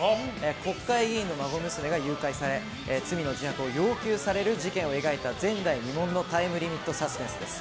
国会議員の孫娘が誘拐され罪の自白を要求される事件を描いた、前代未聞のタイムリミットサスペンスです。